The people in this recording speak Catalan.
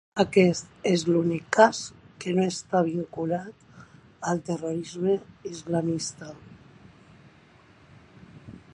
Aquest és l’únic cas que no està vinculat al terrorisme islamista.